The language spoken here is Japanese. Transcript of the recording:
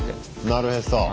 なるへそ。